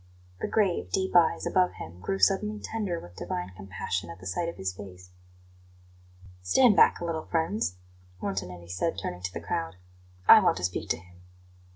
The grave, deep eyes above him grew suddenly tender with divine compassion at the sight of his face. "Stand bark a little, friends," Montanelli said, turning to the crowd; "I want to speak to him."